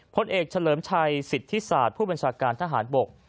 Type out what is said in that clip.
พลเอกเฉลิมชัยสิทธิศาสตร์ผู้บัญชาการทหารบก